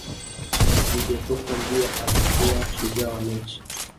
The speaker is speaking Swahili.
didier drogba ndiye alikuwa shujaa wa mechi